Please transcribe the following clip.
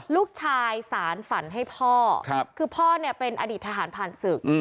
ลูกชายสารฝันให้พ่อคือพ่อเนี่ยเป็นอดีตทหารผ่านศึก